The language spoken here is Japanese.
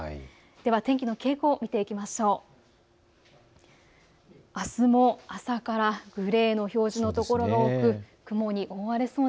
では天気の傾向を見ていきましょう。